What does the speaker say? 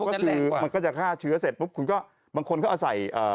ก็คือมันก็จะฆ่าเชื้อเสร็จปุ๊บคุณก็บางคนก็เอาใส่เอ่อ